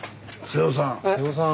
瀬尾さん。